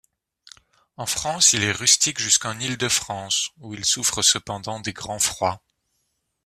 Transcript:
En France, il est rustique jusqu'en Île-de-France, où il souffre cependant des grands froids.